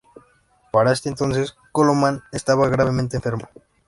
Para ese entonces, Colomán estaba gravemente enfermo.